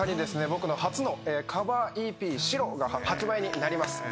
僕の初のカバーＥＰ『白』が発売になります。